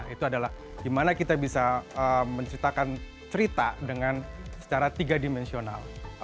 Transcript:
itu adalah gimana kita bisa menceritakan cerita dengan secara tiga dimensional